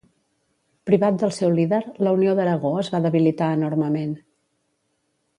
Privat del seu líder, la Unió d'Aragó es va debilitar enormement.